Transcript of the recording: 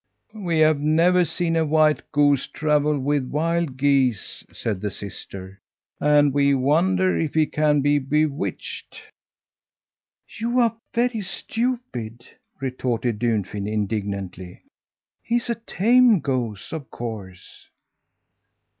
"We have never seen a white goose travel with wild geese," said the sister, "and we wonder if he can be bewitched." "You are very stupid," retorted Dunfin indignantly. "He is a tame goose, of course."